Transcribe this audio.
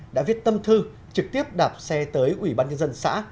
đã viết tâm thư trực tiếp đạp xe tới ủy ban nhân dân xã